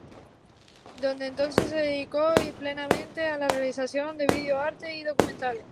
Desde entonces se dedicó plenamente a la realización de video arte y documentales.